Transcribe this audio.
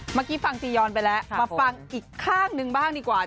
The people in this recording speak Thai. เมื่อกี้ฟังจียอนไปแล้วมาฟังอีกข้างหนึ่งบ้างดีกว่า